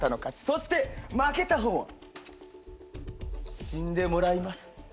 そして負けた方は死んでもらいます。